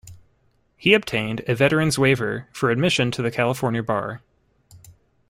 He obtained a veteran's waiver for admission to the California Bar.